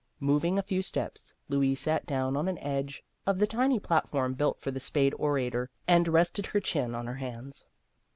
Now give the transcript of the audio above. Moving a few steps, Louise sat down on an edge of the tiny platform built for the spade orator, and rested her chin on her hands.